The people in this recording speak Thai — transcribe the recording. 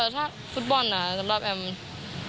ถ้าฟุตบอลสำหรับแอม